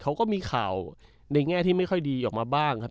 เขาก็มีข่าวในแง่ที่ไม่ค่อยดีออกมาบ้างครับ